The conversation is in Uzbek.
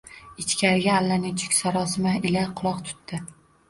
Ichkariga allanechuk sarosima ila quloq tutdi